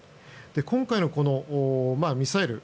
今回のこのミサイル